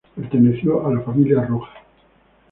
Perteneció a la familia Rojas.